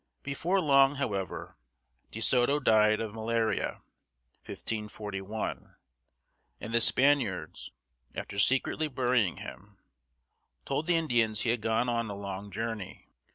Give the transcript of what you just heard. Before long, however, De Soto died of malaria (1541), and the Spaniards, after secretly burying him, told the Indians he had gone on a long journey.